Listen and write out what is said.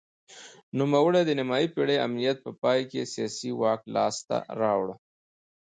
نوموړي د نیمايي پېړۍ امنیت په پای کې سیاسي واک لاسته راوړ.